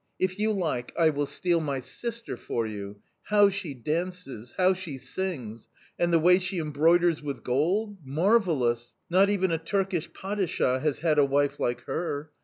If you like, I will steal my sister for you! How she dances! How she sings! And the way she embroiders with gold marvellous! Not even a Turkish Padishah has had a wife like her!...